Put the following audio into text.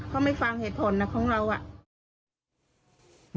เขาไม่ฟังเหตุผลนะของเราอะ